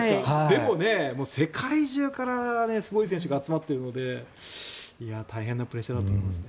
世界中からすごい選手が集まっているので大変なプレッシャーだと思います。